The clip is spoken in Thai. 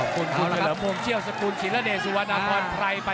ขอบคุณคุณครับครับ